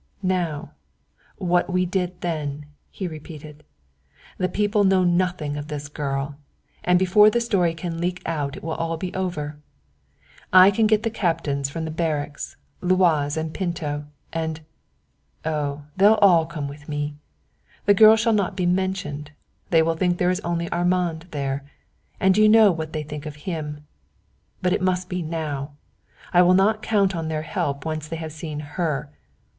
" now, what we did then," he repeated; "the people know nothing of this girl, and before the story can leak out it will be all over. I can get the captains from the barracks, Luaz and Pinto, and oh, they'll all come with me. The girl shall not be mentioned; they will think there is only Armand there, and you know what they think of him. But it must be now; I will not count on their help when once they have seen her.